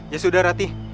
ya sudah ratih